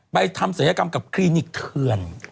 ทำศัลยกรรมกับคลินิกเถื่อน